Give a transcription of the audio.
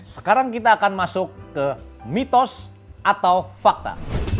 sekarang kita akan masuk ke mitos atau fakta